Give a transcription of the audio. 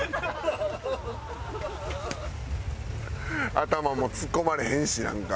頭もツッコまれへんしなんか。